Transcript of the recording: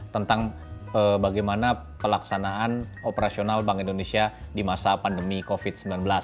tentang bagaimana pelaksanaan operasional bank indonesia di masa pandemi covid sembilan belas